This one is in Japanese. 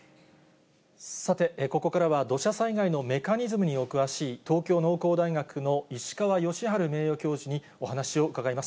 さて、ここからは土砂災害のメカニズムにお詳しい、東京農工大学の石川芳治名誉教授にお話を伺います。